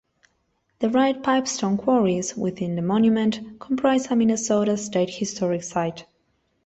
The Red Pipestone Quarries within the monument comprise a Minnesota State Historic Site.